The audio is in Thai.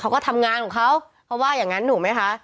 เขาก็ทำงานของเขาเขาว่าอย่างนั้นถูกไหมคะ